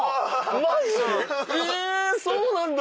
マジ⁉そうなんだ！